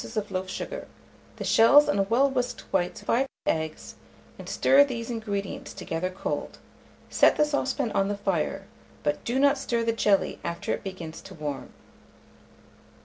of loaf sugar, the shells and well whisked whites of 5 eggs, and stir these ingredients together cold; set the saucepan on the fire, but do not stir the jelly after it begins to warm.